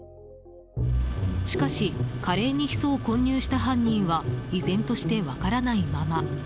しかしカレーにヒ素を混入した犯人は依然として分からないまま。